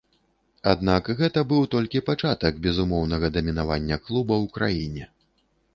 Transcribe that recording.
Аднак, гэта быў толькі пачатак безумоўнага дамінавання клуба ў краіне.